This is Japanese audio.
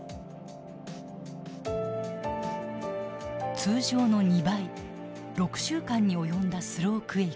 通常の２倍６週間に及んだスロークエイク。